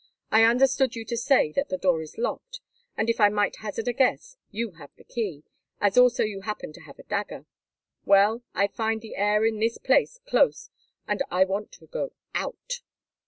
I understood you to say that the door is locked, and if I might hazard a guess, you have the key, as also you happen to have a dagger. Well, I find the air in this place close, and I want to go out."